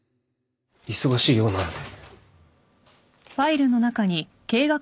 忙しいようなので